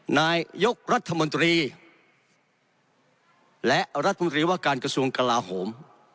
นายกรัฐมนตรีและรัฐมนตรีว่าการกระทรวงกลาโหม